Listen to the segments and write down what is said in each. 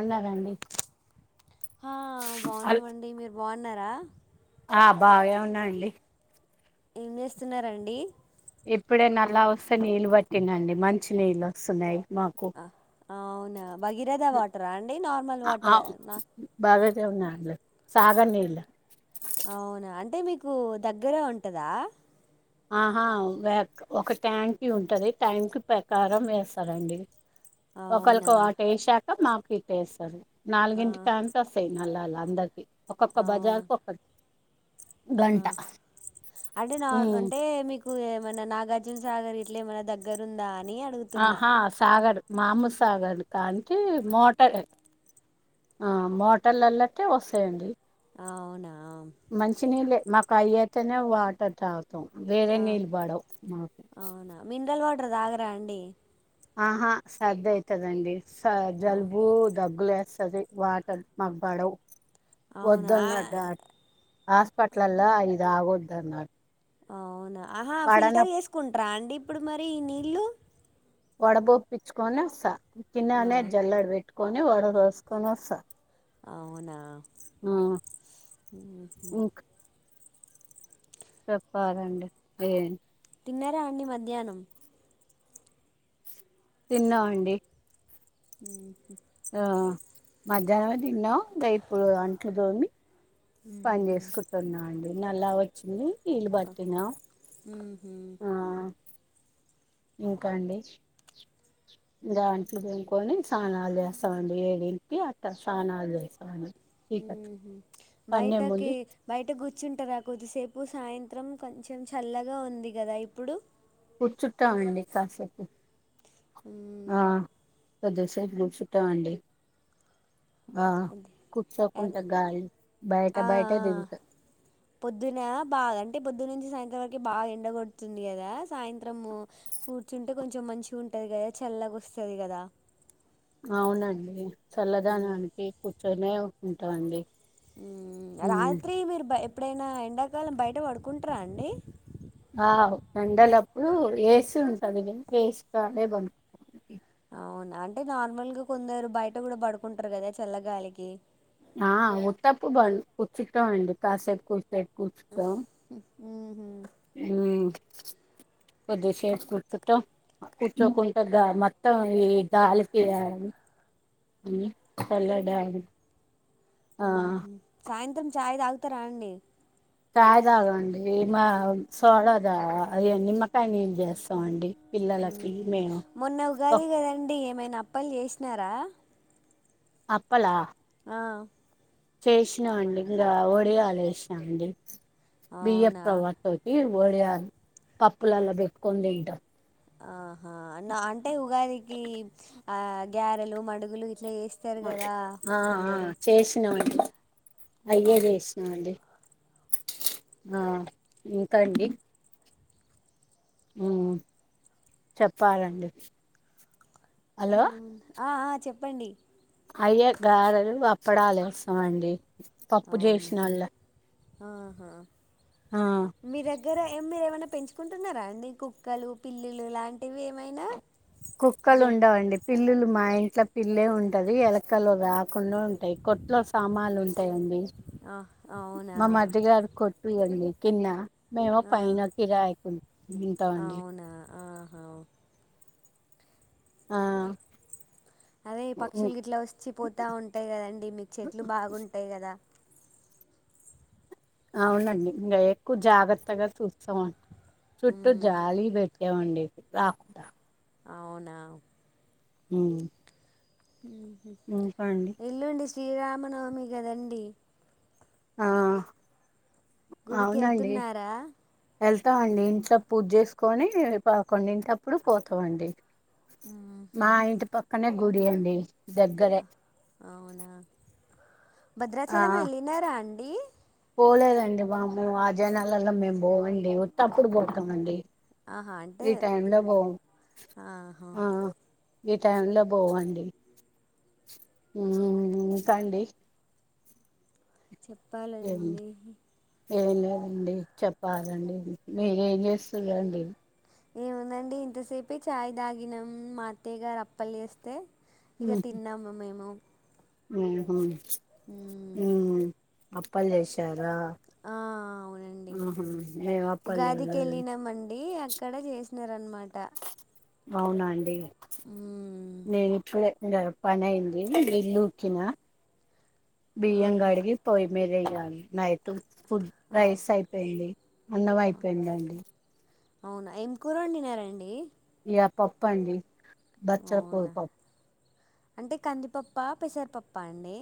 ఉన్నారా అండి ఆ బాగున్నామండి మీరు బాగున్నారా ఆ బాగే ఉన్నాండి ఏం చేస్తున్నారండి ఇప్పుడే నల్లా వస్తే నీళ్ళు పట్టినండి మంచి నీళ్లు వస్తున్నాయి మాకు అవునా! భగీరథ వాటరా అండి? నార్మల్ ఆ వాటర్ నా బాగా జీవనాడు లో సాగర్ నీళ్లు అవునా! అంటే మీకు దగ్గరే ఉంటదా ఆహా ఒక ట్యాంకి ఉంటది ట్యాంకి ప్రకారం వేస్తారండి ఒకరికి అవునా! వాటు వేసాక మాకు ఇటు వేస్తారు ఆ! నాలుగింటి కాంచి వస్తాయి నల్లాలు అందరికి ఒక్కొక్క అవును. బజార్ కు ఒక్క ఆ! గంట అంటే నా ఉమ్. అంటే మీకు ఏమైనా నాగార్జున సాగర్ ఇట్లే ఏమన్నా దగ్గర ఉందా అని అడుగుతున్నా. ఆహా సాగర్ మామూ సాగర్ కానికి మోట యే ఆ మోటల్లల్లకే వస్తాయండి అవునా మంచినీళ్ళే మాకు అయి అయితేనే వాటర్ తా [inaudible] వేరే ఆ! నీళ్ళు పడవు మాకు టర్ తాగరా అండి ఆహా సద్దైతదండి స ఆ! జలుబు దగ్గులేస్ టది వాటర్ మాకు పడవు అవునా! వద్దన్నట్ట హాస్పెటల్లల్ల అది తాగొద్దన్నారు అవునా ఆహా పడన ఫిల్టర్ చేసుకుంటరా అండి ఇప్పుడు మరి ఈనీళ్ళు వడబొప్పిచ్చుకోని వస్తా కిన్నానే ఆ! జల్లెడ పెట్టుకొని వాడరోసుకొని వస్తా అవునా ఆ ఊహూ ఇంక చెప్పాలండి ఏం తిన్నార అండి మధ్యాహ్నం తిన్నావండి ఉ ఆ మధ్యాహ్నం తిన్నాం ఆ ఇపుడు అంట్లు తోమి పని చేసుకుంటున్నా అండి నల్లా వచ్చింది నీళ్ళు పట్టినా ఉ ఆ ఇంకా అండి దాంటిదేనుకోని స్నానాలు చేస్తామండి ఏడింటి అట్ట స్నానాలు చేస్తామండి చీకట్లో ఉహు పనే బయటకి ముందు బయట గు కూర్చుంటారా కొద్దిసేపు సాయంత్రం కొంచెం చల్లగా ఉంది కదా ఇప్పుడు కూర్చుంటామండి కాసేపు ఆ మ్మ్ కొద్దిసేపు గ్రూప్ చుట్టామండి ఆ అదే అదే కూర్చోకుంటే గాలి బయట ఆ ఆ బయటే దింత్ పొద్దున బాగాంటే పొద్దు నుంచి సాయం వరకు బాగా ఎండ కొడుతుంది కదా సాయంత్రము కూర్చుంటే కొంచెం మంచిగా ఉంటంది కదా చల్ల వస్తది కదా అవునండి మ్మ్ చల్లదనానికి కూర్చొనే ఉంటాండి రాత్రి మీరు ఎప్పుడైనా ఎండాకాలం బయట పడుకుంటారా అండి ఇప్పుడు ఏసి ఉంటది ఏసీలోనే పండుకుంటాం అవునా అంటే నార్మల్ గా కొందరు బయట కూడా పడుకుంటారు కదా చల్లగాలికి ఆ ఉత్తప్పు బం కూర్చుంటాం అండి కాసేపు కూర్సేపు కూర్చుంటాం ఉహు ఉ కొద్దిసేపు కూర్చుంటాం కూర్చోకుంటా మొత్తం ఈ గాలికి చల్ల గాలి సాయంత్రం చాయ్ తాగుతారా అండి చాయ తాగండి మా సోడా తా ఏంది నిమ్మకాయ నీళ్లు చేస్తామండి పిల్లలకి ఉహు మేము మొన్న ఉగాది కదండి ఏమైనా అప్పలు చేసినారా అప్పల ఆ చేసినామండి ఇ వడియాల చేసినాండి బియ్య అవునా పవాటోకి ఒడియాలు పప్పులల్లా పెట్టుకొని తింటాం ఆహా అంటే ఉగాదికి ఆ గారెలు మడుగులు ఇట్లా చేస్తారు కదా ఆ ఆ కొందరు చేసిన మండి అయ్యే ఉహు చేసినామండి ఆ ఇంకా అండి ఉ చెప్పాలండి ఉ హలో ఆ ఆ చెప్పండి అయ్యా గారలు, అప్పడాల ఏస్తమండి పప్పు అవునా చేసిన వాళ్ళు ఆహా ఆ దిర ఎమ్మి ఏమైనా పెంచుకుంటున్నారా అండి కుక్కలు, పిల్లులు ఇలాంటివి ఏమైనా జ కుక్కలు ఉండవుండి పిల్లులు మా ఇ ఇట్ల పిల్లే ఉంటది ఎలకలు రాకుండా ఉంటాయి కొట్లో సామాన్లు ఉంటాయండి ఆ అవునా మ మదిగారు కొట్టు ఉంది కింద మేము ఆ పైన కిరాయికు ఉంటాం అండి అవునా ఆహా ఆ అదే పక్షుల గ ఇట్లా వచ్చి పోతా ఉంటాయి కదండి మీకు చెట్లు బాగుంటాయి కదా అవునండి ఇంకా ఎక్కువ జాగ్రత్తగా చూస్తాంట చుట్టూ ఉమ్ జాలీ పెట్ ఎవండి రాకుండా అవునా హు హు ఎల్లుండి శ్రీరామనవమి కదండి ఆ గుడికి అవునండి వెళ్తున్నారా వెళ్తామండి ఇంట్లో పూజ చేసుకొని పదకొండు ఇంటి అప్పుడు పోతామండి మా ఇంటి పక్కనే గుడి అండి దగ్గరే అ అవునా ఆ భద్రాచలం వెళ్ళినారా అండి పోలేదండి బాబు ఆ జనాలల్ల మేము పోవండి ఉతప్పుడు పోతామండి ఆహా అంటే ఈ టైమ్ లో పోము ఆహా ఆ ఈ టైం లో పోవండి హు ఇంకా అండీ చెప్పాలండి ఏం లేదండి చెప్పాలండి మీర ఏం చేస్తురు అండి ఏముందండి ఇంతసేపు చాయ్ తాగినం మా అతయ్య గారు అప్పల్ చేస్తే ఇగ తిన్నాము మేము ఉహు ఉ అప్పల్ చేశారా అవునండి ఉహు ఎం అప్పలు చెయ్యలే అండి ఇక్కడ చేసినారు అన్నమాట అవునండి నేను ఇప్పుడే ఇగ పని అయింది ఇల్లు ఉకిన బియ్యం ఆహా కడిగి పొయ్యి మీద నైట్ ఫుడ్ ఆ రైస్ అయిపోయింది అన్నం అయిపోయిందండి అవునా ఏం కూర వండినారండి ఇగ పప్పు అండి బచ్చల అవునా కూూరపప్పు అంటే కందిపప్ప పెసరిపప్ప అండి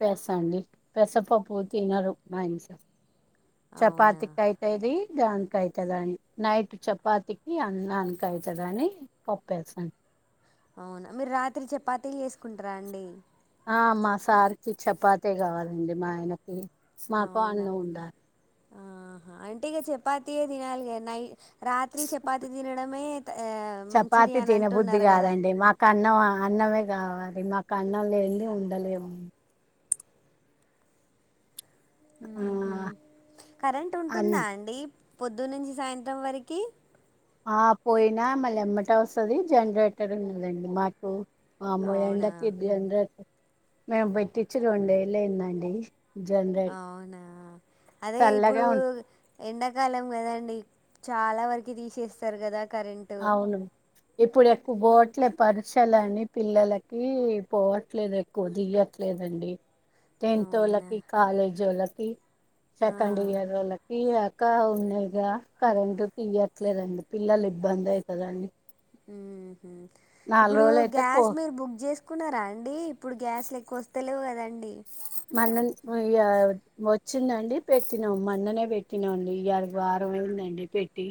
పెసా అండి పెసరు పప్పు తినరు మా ఇంట్ల అవునా చపాతి కి అయితది దానికి అయితదాని నైట్ చపాతికి అన్నానికి అయితే దాని పప్పేసాను అవునా మీరు రాత్రి చపాతీలు చేసుకుంటారా అండి ఆ మా సార్ కి చపాతే కావాలండి మా ఆయనకి మాకు అవునా అన్నం ఉండాలి ఆహా అంటే ఇక చపాతి తినాలేగా నై రాత్రి చపాతి తినడమే ఏ మంచిది చపాతి అని తినబుద్ధి అంటున్నారు కదా కాదండి మాకు అన్నం మే కావాలి మాకు అన్నం లేంది ఉండలేము ఆ, హు కరెంట్ అన్ ఉంటుందా అండి పొద్దు నుంచి సాయంత్రం వారికి ఆ పోయినా మళ్ళీ ఎమ్మట వస్తుంది జనరేటర్ ఉన్నదండి మాకు వామ్మో అవునా ఎండకి జనరేటర్ మేము పెటిచ్చి రెండు ఏళ్లయిందండి అవునా అదే ఇప్పుడు చల్లగా ఉం ఎండాకాలం కదండి చాలా వరకు తీసేస్తారు కదా కరెంటు అవును ఇప్పుడు ఎక్కువ బోట్ ఇట్లే పరీక్షల అని పిల్లలకి పోవట్లేదు ఎక్కువ తియట్లేదండి టెన్త్ అవునా వోళ్లకి కాలేజీ వోళ్ళకి ఆ సెకండ్ ఇయర్ వోల్లకి కా ఉన్నాయిగా కరెంట్ తీయట్లేదండి పిల్లలు ఇబ్బంది అయితే దాని ఉహు ఇప్పుడు అయితే పో గ్యాస్ మీరు బుక్ చేసుకున్నారా అండి ఇప్పుడు గ్యాస్ లు ఎక్కువ వస్తలేవు కదండి మల్ల ఇయాల వచ్చిందండి పెట్టినాం మన్ననే పెట్టినాండి ఇ ఎన్ని రోజులైంది పెట్టి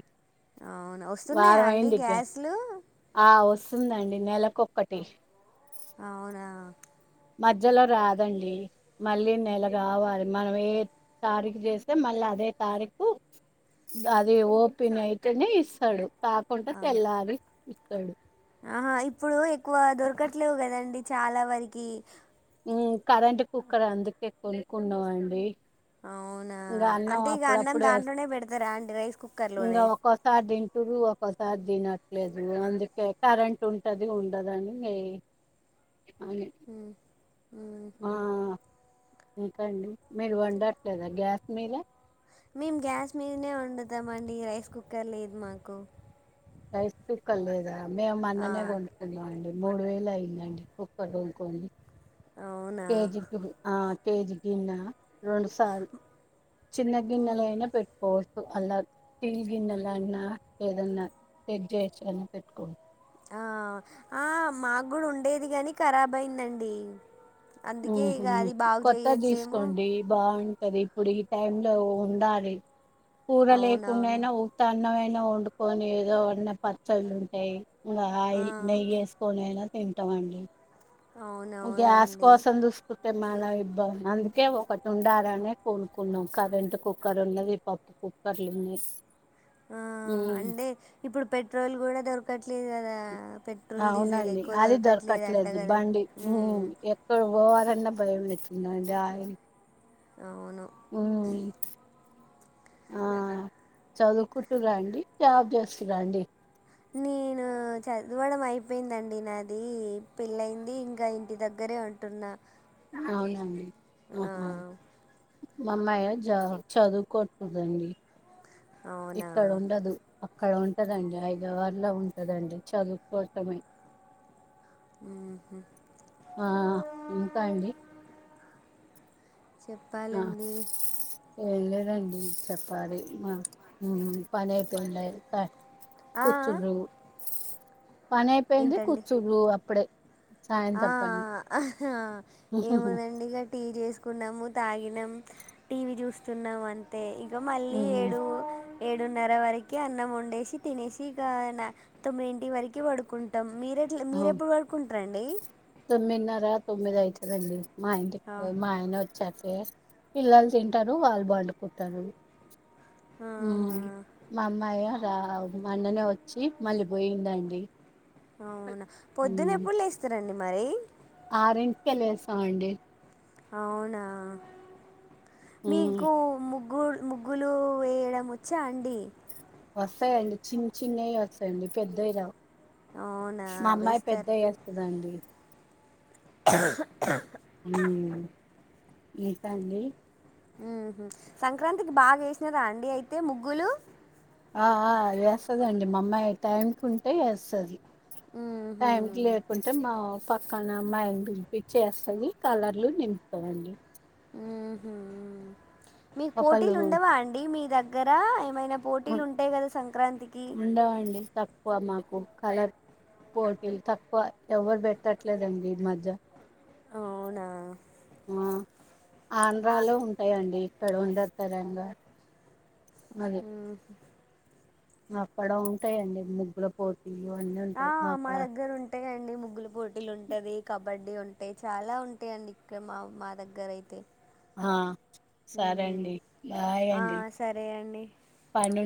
అవునా వస్తున్నాయా వారం అండి అయింది ఆ గ్యాస్ గ్యాస్లు వస్తుందండి నెలకొకటి అవునా మధ్యలో రాదండి మళ్ళీ నెల కావాలి మనం ఏ తారీఖు చేస్తే మళ్ళీ అదే తారీఖు అది ఓపెన్ అయితేనే ఇస్తాడు కాకుండా ఆ తెల్లారి ఇస్తాడు ఆహా ఇప్పుడు ఎక్కువ దొరకట్లేవు కదండి చాలా వరకి ఉమ్ కరెంట్ కుక్కర్ అందుకే కొనుక్కున్నావండి అవునా ఇంకా అన్నాం అంటే ఇక అన్నం అప్పుడప్పుడే దాంట్లోనే పెడతారా అండి రైస్ ఇంకా కుక్కర్లోనే ఒక్కోసారి తింటురు ఒకసారి తినట్లేదు అందుకే కరెంట్ ఉంటది ఉండదని అవును ఆహ ఇకండి మీరు వండట్లేదా గ్యాస్ మీద మేము గ్యాస్ మీదనే వండుతాం అండి రైస్ కుక్కర్ లేదు మాకు రైస్ కుక్కర్ లేదా మేం ఆ మొన్ననే కొనుకున్నాం అండి మూడు వేలు అయిందండి కుక్కర్ కొనుక్కోని అవునా కేజీకి ఆ కేజీ గిన్నా రెండు సార్లు చిన్న గిన్నెలయినా పెట్టుకోవచ్చు అలా స్టీల్ గిన్నెలన్నా ఏదన్నా చెక్ చేసి గాని పెట్టుకోవచ్చు ఆ ఆ మాకు కూడా ఉండేది గాని కరాబ్ అయిందండి ఉ అందుకే ఇక అది బాగు కొత్తది చేయట్లేము తీసుకోండి బాగుంట ది ఇప్పుడు ఈ టైం లో ఉండాలి కూర లేకుండా అవునవును అయినా ఉత్త అన్నం అయిన వండుకొని ఏదో ఉన్నా పచ్చళ్ళు ఉంటాయి ఇంకా ఆ ఆయిల్ నెయ్యి వేసుకొనైనా తింటాం మండి గ్యాస్ అవునవునండి కోసం చూసు కుంటే మళ ఇబ్బంది అందుకే ఒకటి ఉండాలనే కోనుకున్నాం కరెంట్ కుక్కర్ ఉన్నది పప్పు కుక్కర్లు ఉన్నాయి ఆ ఉమ్, అంటే ఇప్పుడు పెట్రోల్ కూడా దొరకట్లేదు కదా పెట్రోల్ డీజిల్ అవునండి ఎక్కువ అది అంట దొరకట్లేదు కదా బండి ఉమ్ ఎక్కడ పోవాలన్నా భయమే [unintelligible] అవును ఉమ్ ఆ చదువుకుంటురండి జాబ్ చేస్తురాండి నేనా చదవడం అయిపోయిందండి నాది పెళ్లయింది ఇంకా ఇంటి దగ్గరే ఉంటున్నా అవునాండి ఆ ఆహా మాఅమ్మాయ్య చ చదువు కుంటుంది అండి అవునా ఇక్కడ ఉండదు అక్కడ ఉంటదండి హైదరాబాద్ లో ఉంటదండి చదువుకోవటమే ఉమ్, ఆ ఇంకా అండి ఆ చెప్పాలండి ఏంలేదండి చెప్పాలి మా పని అయిపోయింది ఆ కుర్చుర్రు పని అయిపోయింది ఏంటండి కూర్చురు అప్పుడే ఆ సాయంత్రం పని ఆహ ఏమోనండి ఇక టీ చేసు కున్నాము తాగినం టీవీ చూస్తున్నాం అంతే ఇక మళ్ళీ ఉమ్, ఏడు ఏడున్నర వరకు అన్నం వండేసి తినేసి ఇక తొమ్మిడి ఇంటి వరకు పడుకుంటాం మీరెట్లా ఆ, మీరు ఎప్పుడు పడుకుంట్రు అండి తొమ్మిదిన్నర తొమ్మిది అయితదండి మా ఇంటికి ఆ పొయి మా ఆయన వచ్చాక ఎం పిల్లలు తింటారు వాళ్ళు పండుకుంటారు ఆహా! ఉమ్ మా అమ్మాయా దా మొన్ననే వచ్చి మళ్ళీ పోయిందండి అవునా పొద్దున ఉమ్ ఎప్పుడు లేస్తారండి మరి ఆరింటికే లేస్తామండి అవునా, ఉమ్ మీకు ముగ్ గ్గు ముగ్గులు వేయడం వచ్చా అండి వస్తయండి చిన్న చిన్నయి వస్తయండి పెద్దవి రావ్ అవునా! మా అమ్మాయి వేస్తారు పెద్దయేస్తదండి మికా అండి ఉమ్ హు, సంక్రాంతికి బాగ ఏసిన్రా అండి అయితే ముగ్గులు ఆ ఆ ఏస్తదండి మా అమ్మాయి టైంకు ఉంటే ఏస్తది టైంకి మ్మ్హ్మ్. లేకుంటే మా పక్కనమ్మాయిని పిల్పిచ్చేస్తది కలర్లు నింపుతమండి మీకు ఒకళ్ళు పోటీలుండవా అండి మీ దగ్గర మైన పోటీలుంటయి గదా సంక్రాంతి ఉండవండి తక్కువ మాకు కలర్ పోటీల్ తక్కువ, ఎవరు పెట్టట్లేదండి ఈ మధ్య. అవునా ఆ ఆంధ్రాలో ఉంటయండి ఇక్కడ ఉండదు తెలంగాన్ ఉమ్ హు అక్కడ ఉంటయండి ముగ్గుల పోట్ ఆ మా దగ్గరుంటయండి ముగ్గుల పోటీలు ఉంటది కబడ్డీ ఉన్ టయ్ చాలా ఉంటయండి ఇక్కడ మా మా దగ్గరయితే ఆ సరే ఉమ్ అండి బాయ్ ఆ అండి సరే అండి పని ఉంది.